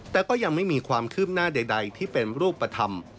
แต่ก็ยังไม่มีความคืบหน้าใดที่เป็นรูปธรรม